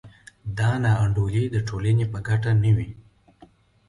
دا نا انډولي د ټولنې په ګټه نه وي.